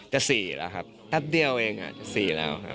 จะสี่แล้วครับแป๊บเดียวเองอ่ะจะสี่แล้วครับ